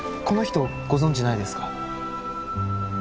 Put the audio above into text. この人ご存じないですか？